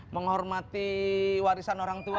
menghormati warisan orang tua